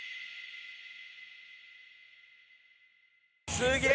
すげえ！